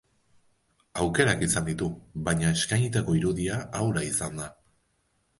Aukerak izan ditu, baina eskainitako irudia ahula izan da.